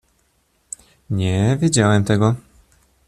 "Nie wiedziałem tego."